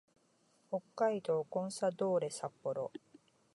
北海道コンサドーレ札幌